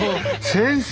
先生